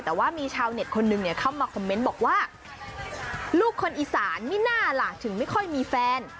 แต่ว่ามีชาวเน็ตคนนึงเข้ามาคอมเมนต์บอกว่าลูกคนอีสานมิน่าล่ะถึงไม่ค่อยมีแฟน